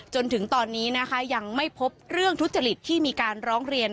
จนถึงตอนนี้นะคะยังไม่พบเรื่องทุจริตที่มีการร้องเรียน